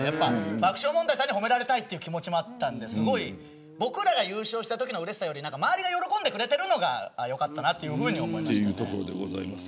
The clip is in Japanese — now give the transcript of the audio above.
爆笑問題さんに褒められたい気持ちもあったんで僕らが優勝したときのうれしさより周りが喜んでくれているのが良かったなと思いました。